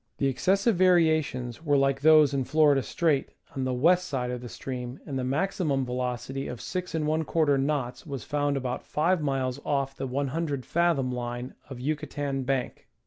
The excessive variations were like those in Florida Strait, on the west side of the stream, and the maximum velocity of 6:^ knots was found about 5 miles off the 100 fathom line of Yuca tan Bank.